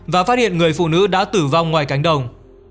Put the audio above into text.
và phát hiện người phụ nữ đã tử vong ngoài cánh đồng